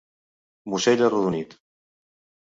Musell arrodonit.